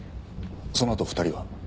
そのあと２人は？